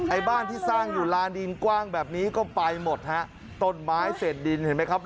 ไอ้บ้านที่สร้างอยู่ลานดินกว้างแบบนี้ก็ไปหมดฮะต้นไม้เศษดินเห็นไหมครับ